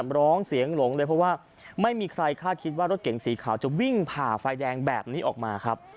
เพราะว่าไม่มีใครค่าคิดว่ารถเก่งสีขาวจะวิ่งผ่าไฟแดงแบบนี้ออกมาครับ